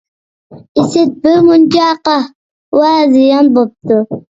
ئىسىت، بىر مۇنچە قەھۋە زىيان بوپتۇ.